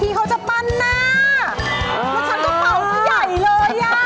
อ่าแล้วฉันก็เป่าที่ใหญ่เลย